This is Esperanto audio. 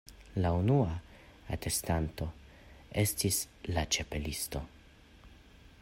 La unua atestanto estis la Ĉapelisto.